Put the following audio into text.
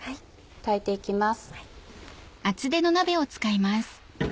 炊いて行きます。